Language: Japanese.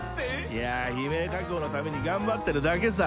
いやぁ悲鳴確保のために頑張ってるだけさ。